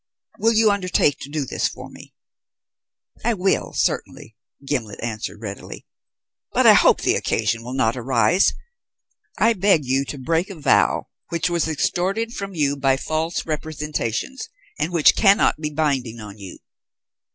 Will you undertake to do this for me?" "I will, certainly," Gimblet answered readily, "but I hope the occasion will not arise. I beg you to break a vow which was extorted from you by false representations and which cannot be binding on you.